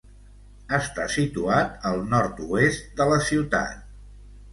Està situat al nord-oest de la ciutat.